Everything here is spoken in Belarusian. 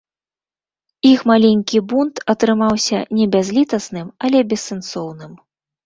Іх маленькі бунт атрымаўся не бязлітасным, але бессэнсоўным.